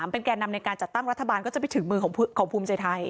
เป็นแก่นำในการจัดตั้งรัฐบาลก็จะไปถึงมือของภูมิใจไทย